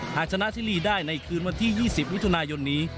หากชนะชิลีได้ในคืนวันที่๒๐มิถุนายนนี้